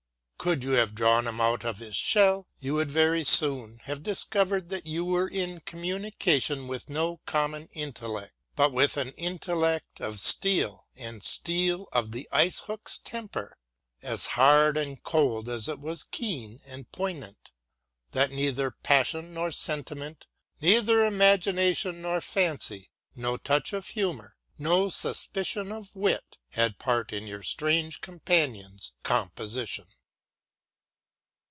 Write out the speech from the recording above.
Could you have drawn him out of his shell, you would very soon have discovered that you were in communication with no common intellect, but with an intellect of steel, and steel of the ice hook's temper, as hard and cold as it was keen and poignant ; that neither passion nor sentiment, neither imagination nor fancy, no touch of humour, no suspicion of wit, had part in your strange companion's com position.